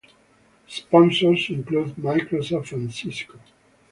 Sponsors include Microsoft and Cisco.